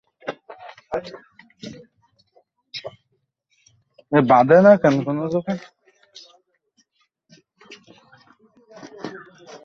এক দিকে নষ্ট হইলে মানুষ কি সকল দিকেই এমনি করিয়া নষ্ট হয়।